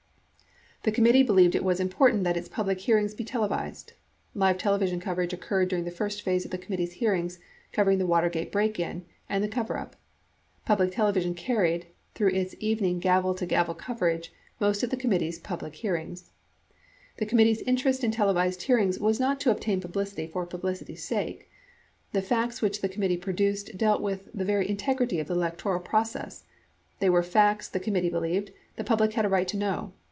The committee believed it was important that its public hearings be televised. Live television coverage occurred during the first phase of the committee's hearings covering the Watergate break in and the coverup. Public Television carried, through its evening gavel to gavel coverage, most of the committee's public hearings. The committee's interest in televised hearings was not to obtain pub licity for publicity's sake. The facts which the committee produced dealt with the very integrity of the electoral process ; they were facts, the committee believed, the public had a right to know.